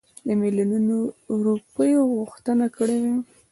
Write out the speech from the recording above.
د میلیونونو روپیو غوښتنه کړې وای.